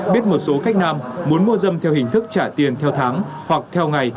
biết một số khách nam muốn mua dâm theo hình thức trả tiền theo tháng hoặc theo ngày